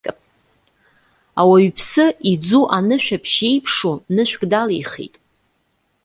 Ауаҩԥсы, иӡу анышәаԥшь еиԥшу, нышәк далихит.